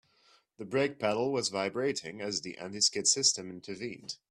The brake pedal was vibrating as the anti-skid system intervened.